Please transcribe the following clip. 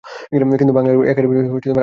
তিনি বাংলা একাডেমির আজীবন সদস্য।